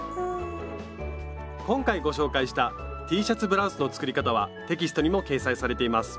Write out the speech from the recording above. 今回ご紹介したＴシャツブラウスの作り方はテキストにも掲載されています。